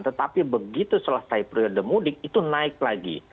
tetapi begitu selesai periode mudik itu naik lagi